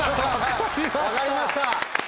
分かりました！